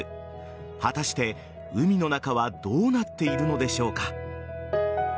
果たして海の中はどうなっているのでしょうか。